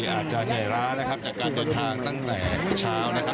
อาจจะไหลล้านะครับจัดการตัวทางตั้งแต่เช้านะครับ